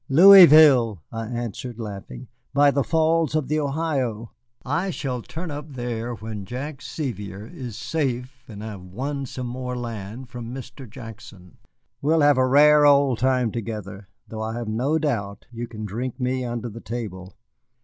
"Louisville," I answered, laughing, "by the Falls of the Ohio." "I shall turn up there when Jack Sevier is safe and I have won some more land from Mr. Jackson. We'll have a rare old time together, though I have no doubt you can drink me under the table.